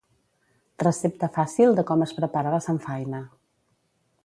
Recepta fàcil de com es prepara la samfaina.